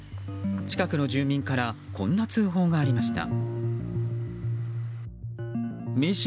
近くの住民からこんな通報がありました。